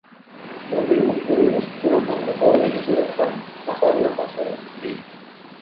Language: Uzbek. Mobil muxbirimiz joʻnatgan yuqoridagi suratdan bahor nafasini tuydik.